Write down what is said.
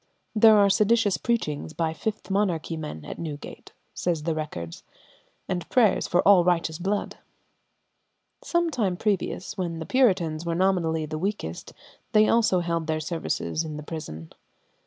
"There are seditious preachings by Fifth Monarchy men at Newgate," say the records, "and prayers for all righteous blood." Some time previous, when the Puritans were nominally the weakest, they also held their services in the prison.